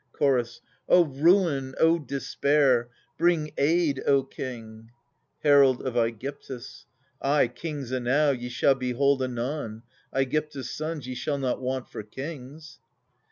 Chorus. O ruin, O despair ! Bring aid, O king ! Herald of ^gyptus. Ay, kings enow ye shall behold anon, ^gyptus' sons — Ye shall not want for kings.